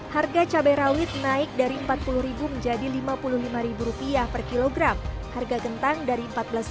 harga cabai rawit naik dari rp empat puluh menjadi rp lima puluh lima rupiah per kilogram harga gentang dari empat belas